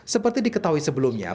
seperti diketahui sebelumnya